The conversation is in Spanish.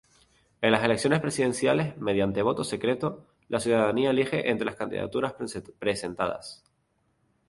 En las elecciones presidenciales, mediante voto secreto, la ciudadanía elige entre las candidaturas presentadas.